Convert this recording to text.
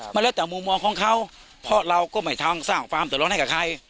มันแล้วแต่มุมมองของเขาเพราะเราก็ไม่ทางสร้างความเดือดร้อนให้กับใคร